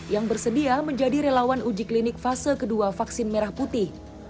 yang bersedia menjadi relawan uji klinik fase kedua vaksin merah putih